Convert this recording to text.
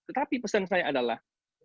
tetapi pesan saya adalah